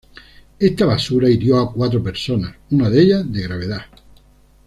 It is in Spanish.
Esta basura hirió a cuatro personas, una de ellas de gravedad.